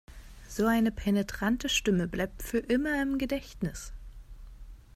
So eine penetrante Stimme bleibt für immer im Gedächtnis.